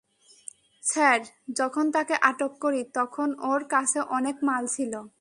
Sir, যখন তাকে আটক করি তখন ওর কাছে অনেক মাল ছিল।